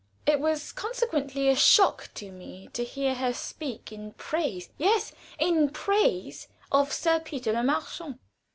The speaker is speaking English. It was consequently a shock to me to hear her speak in praise yes, in praise of Sir Peter Le Marchant.